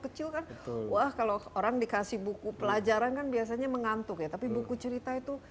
kecil kan wah kalau orang dikasih buku pelajaran kan biasanya mengantuk ya tapi buku cerita itu